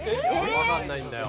わかんないんだよ。